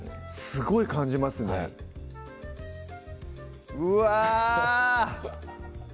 すごい感じますねはいうわ！